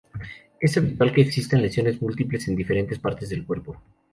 Es habitual que existan lesiones múltiples en diferentes partes del cuerpo.